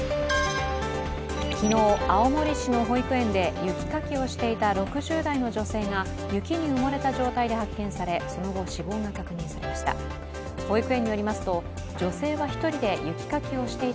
昨日、青森市の保育園で雪かきをしていた６０代の女性が雪に埋もれた状態で発見されその後、死亡が確認されました。